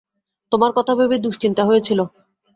তোমার কথা ভেবে দুঃশ্চিন্তা হয়েছিল।